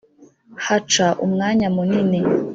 haca umwanya munini